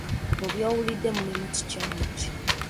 Mu by’owulidde mulimu kikyamu ki?